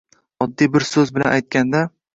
Oddiy bir so‘z bilan aytganda